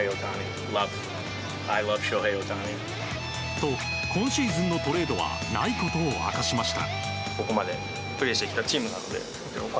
と、今シーズンのトレードはないことを明かしました。